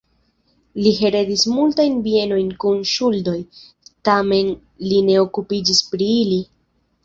Li heredis multajn bienojn kun ŝuldoj, tamen li ne okupiĝis pri ili.